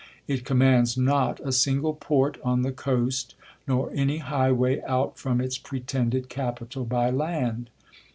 It commands not a single port on the coast nor any highway out from its pretended Capital by land.